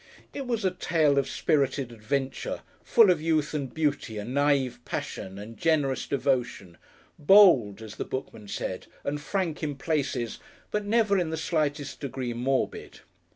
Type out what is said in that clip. It was a tale of spirited adventure, full of youth and beauty and naïve passion and generous devotion, bold, as the Bookman said, and frank in places, but never in the slightest degree morbid.